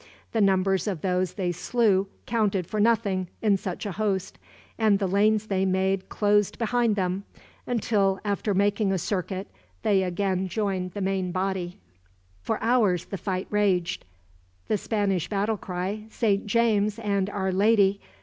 The numbers of those they slew counted for nothing, in such a host; and the lanes they made closed behind them, until, after making a circuit, they again joined the main body. For hours the fight raged. The Spanish battle cry, "Saint James and Our Lady!"